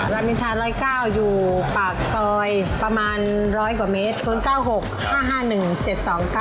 รามอินทา๑๐๙อยู่ปากซอยประมาณร้อยกว่าเมตร๐๙๖๕๕๑๗๒๙